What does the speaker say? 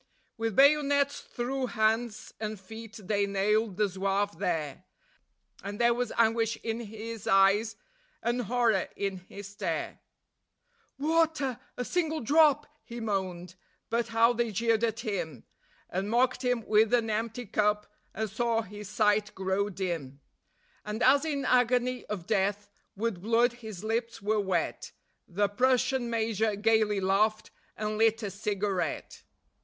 With bayonets through hands and feet they nailed the Zouave there, And there was anguish in his eyes, and horror in his stare; "Water! A single drop!" he moaned; but how they jeered at him, And mocked him with an empty cup, and saw his sight grow dim; And as in agony of death with blood his lips were wet, The Prussian Major gaily laughed, and lit a cigarette.